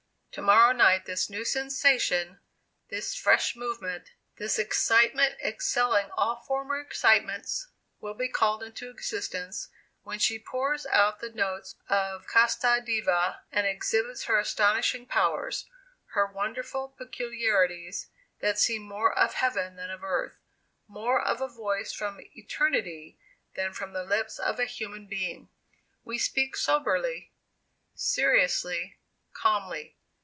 To morrow night, this new sensation this fresh movement this excitement excelling all former excitements will be called into existence, when she pours out the notes of Casta Diva, and exhibits her astonishing powers her wonderful peculiarities, that seem more of heaven than of earth more of a voice from eternity, than from the lips of a human being. "We speak soberly seriously calmly.